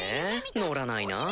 乗らないなぁ。